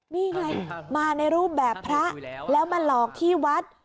นี่ไงมาในรูปแบบพระแล้วมาหลอกที่วัด